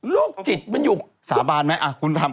โรคจิตมันอยู่สาบานไหมคุณทำ